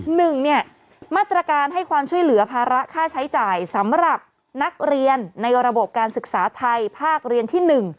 หนึ่งเนี่ยมาตรการให้ความช่วยเหลือภาระค่าใช้จ่ายสำหรับนักเรียนในระบบการศึกษาไทยภาคเรียนที่หนึ่ง